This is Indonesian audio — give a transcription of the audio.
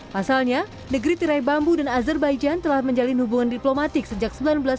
pasalnya negeri tirai bambu dan azerbaijan telah menjalin hubungan diplomatik sejak seribu sembilan ratus sembilan puluh